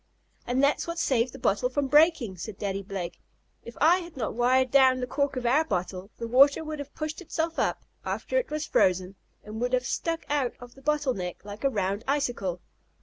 "And that's what saved the bottle from breaking," said Daddy Blake, "If I had not wired down the cork of our bottle the water would have pushed itself up, after it was frozen, and would have stuck out of the bottle neck, like a round icicle."